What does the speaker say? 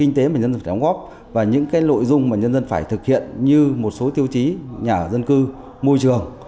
kinh tế mà nhân dân phải đóng góp và những cái nội dung mà nhân dân phải thực hiện như một số tiêu chí nhà dân cư môi trường